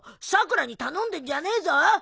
さくらに頼んでんじゃねーぞ！